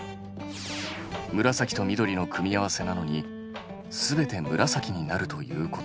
紫と緑の組み合わせなのに全て紫になるということは？